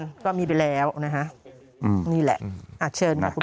สมุดสะครก็มีไปแล้วนะฮะอืมนี่แหละอ่าเชิญนะครับ